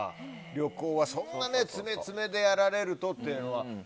旅行はそんなに詰め詰めでやられるとという。